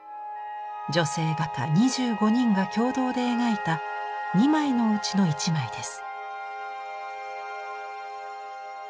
女性画家２５人が共同で描いた２枚のうちの１枚です。